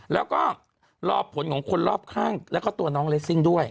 แล้วก็รอผลของคนรอบข้างแล้วก็ตัวน้องเลสซิ่งด้วย